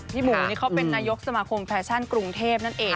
หมูนี่เขาเป็นนายกสมาคมแฟชั่นกรุงเทพนั่นเอง